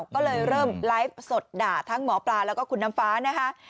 ก็เลยเริ่มไลฟ์สดด่าทั้งหมอปลาแล้วก็คุณน้ำฟ้านะคะ